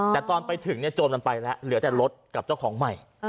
แต่ตอนไปถึงโจรมันไปแล้วเหลือแต่รถกับเจ้าของใหม่